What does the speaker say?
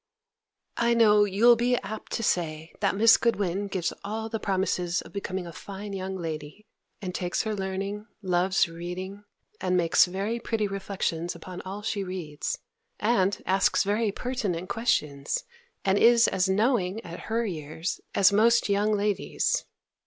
I know you'll be apt to say, that Miss Goodwin gives all the promises of becoming a fine young lady, and takes her learning, loves reading, and makes very pretty reflections upon all she reads, and asks very pertinent questions, and is as knowing, at her years, as most young ladies.